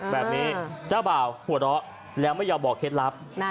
แบบนี้เจ้าบ่าวหัวเราะแล้วไม่ยอมบอกเคล็ดลับ